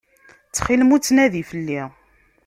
Ttxilem ur ttnadi fell-i.